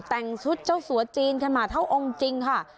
แต่งสุดเฉาสัวนเชียวจีนขั้นมาทะวังจริงค่ะ